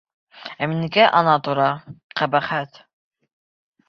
Ә минеке ана тора, ҡәбәхәт!